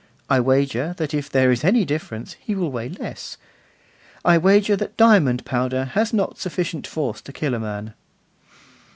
I wager that if there is any difference, he will weigh less. I wager that diamond powder has not sufficient force to kill a man.